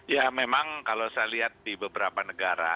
ya memang kalau saya lihat di beberapa negara